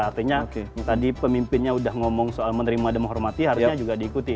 artinya tadi pemimpinnya sudah ngomong soal menerima dan menghormati artinya juga diikuti